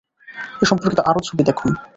এ সম্পর্কিত আরও ছবি দেখুন